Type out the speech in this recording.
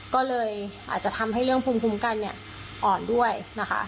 ก็เลยอาจจะทำให้เรื่องภูมิคุ้มกันเนี่ยอ่อนด้วยนะคะ